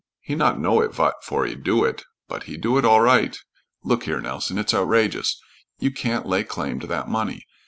He not know it vot for he do it, bot he do it all right." "Look here, Nelson; it's outrageous! You can't lay claim to that money.